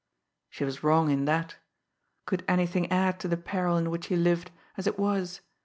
She was wrong in that. Could anything add to the peril in which he lived, as it was!